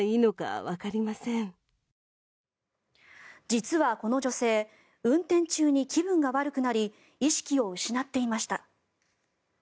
実はこの女性運転中に気分が悪くなり意識を失っていました。